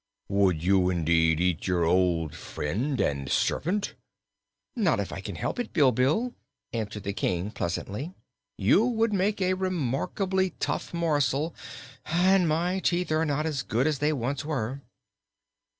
Would you, indeed, eat your old friend and servant?" "Not if I can help it, Bilbil," answered the King pleasantly. "You would make a remarkably tough morsel, and my teeth are not as good as they once were."